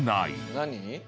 「何？」